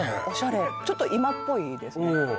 オシャレちょっと今っぽいですね